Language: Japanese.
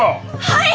はい！